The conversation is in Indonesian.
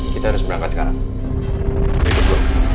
kita harus berangkat sekarang